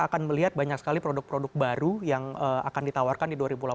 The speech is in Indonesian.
akan melihat banyak sekali produk produk baru yang akan ditawarkan di dua ribu delapan belas